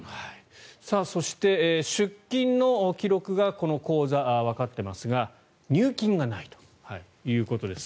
そして出金の記録がこの口座、わかっていますが入金がないということです。